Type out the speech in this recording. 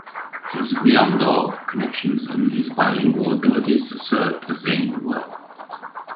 His Wyandot connections and bilingual abilities served Zane well.